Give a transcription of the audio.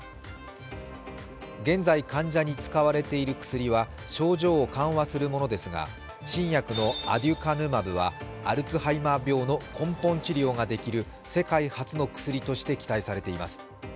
現在患者に使われている薬は症状を緩和するものですが新薬のアデュカヌマブはアルツハイマー病の根本治療ができる世界初の薬として期待されています。